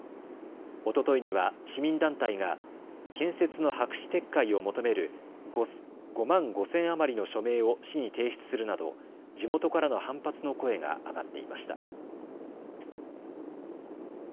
おとといには市民団体が建設の白紙撤回を求める５万５０００余りの署名を市に提出するなど地元からの反発の声が上がっていました。